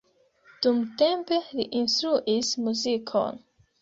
Dumtempe li instruis muzikon.